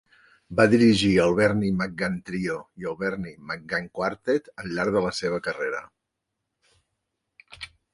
Va dirigir el Bernie McGann Trio i el Bernie McGann Quartet al llarg de la seva carrera.